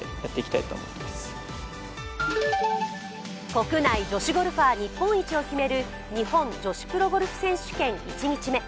国内女子ゴルファー日本一を決める日本女子プロゴルフ選手権１日目。